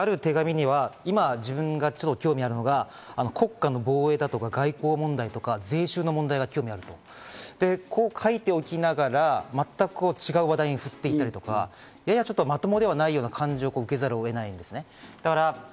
ある手紙には、今自分が国家の防衛だとか外交問題とか税収の問題に興味があると、こう書いておきながら、全く違う話題に振っていたとか、ややちょっとまともではない感じを受けざるを得ないんです。